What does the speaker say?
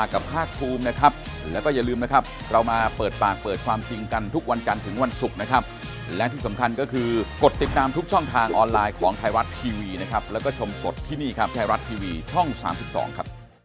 ขอบคุณท่านเตรียมที่สุดครับขอบคุณคุณท่านสุดาวัฒน์ครับขอบคุณครับ